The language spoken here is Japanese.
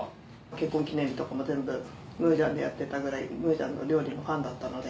結婚記念日とかも全部夢時庵でやってたくらい夢時庵の料理のファンだったので。